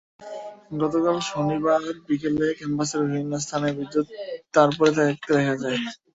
গতকাল শনিবার বিকেলেও ক্যাম্পাসের বিভিন্ন স্থানে বিদ্যুতের তার পড়ে থাকতে দেখা যায়।